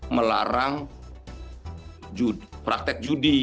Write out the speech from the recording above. melarang praktek judi